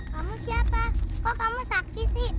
kamu siapa kok kamu sakit sih